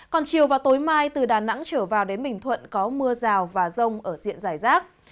còn chiều và tối mai từ đà nẵng trở vào đến bình thuận có mưa rào và rông ở diện giải rác